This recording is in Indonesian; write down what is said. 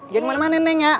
jangan menemani nenek ya